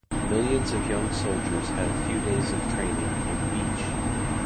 Millions of young soldiers had a few days of training in Bitche.